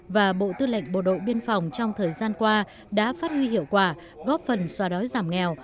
và bộ tư lệnh bộ đội biên phòng trong thời gian qua đã phát huy hiệu quả góp phần xóa đói giảm nghèo